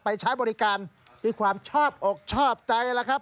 ใช้บริการด้วยความชอบอกชอบใจแล้วครับ